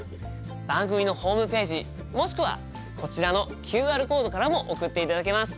番組のホームページもしくはこちらのＱＲコードからも送っていただけます。